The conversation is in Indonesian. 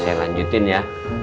saya lanjutin ya